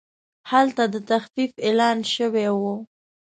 هلته د تخفیف اعلان شوی و.